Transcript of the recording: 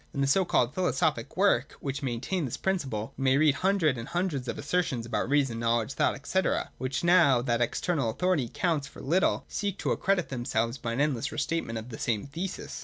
In the so called philosophic works which main tain this principle, we may read hundreds and hundreds of assertions about reason, knowledge, thought, &c. 178 1S0.] JUDGMENTS OF THE NOTION. 313 which, now that external authority counts for little, seek to accredit themselves by an endless restatement of the same thesis.